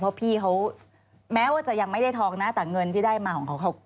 เพราะพี่เขาแม้ว่าจะยังไม่ได้ทองนะแต่เงินที่ได้มาของเขา